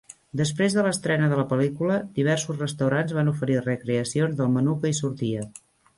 Després de l'estrena de la pel·lícula, diversos restaurants van oferir recreacions del menú que hi sortia.